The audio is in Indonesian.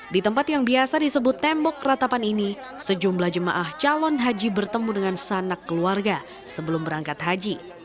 di tempat yang biasa disebut tembok ratapan ini sejumlah jemaah calon haji bertemu dengan sanak keluarga sebelum berangkat haji